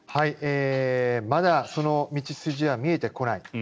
まだその道筋は見えてこない。